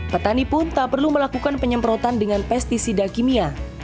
petani pun tak perlu melakukan penyemprotan dengan pesticida kimia